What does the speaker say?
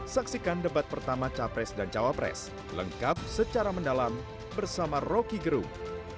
saksikan debat pertama capres dan cawapres lengkap secara mendalam bersama rocky gerung